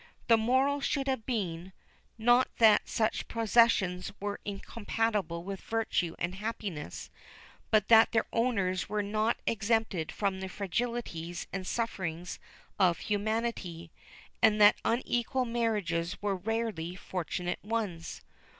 The moral should have been, not that such possessions were incompatible with virtue and happiness, but that their owners were not exempted from the frailties and sufferings of humanity, and that unequal marriages were rarely fortunate ones.